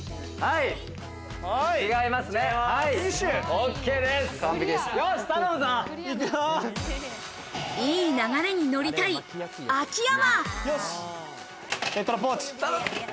いい流れにのりたい秋山。